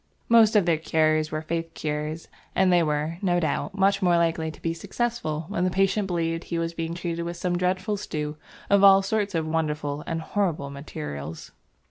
Most of their cures were faith cures, and they were, no doubt, much more likely to be successful when the patient believed he was being treated with some dreadful stew of all sorts of wonderful and horrible materials.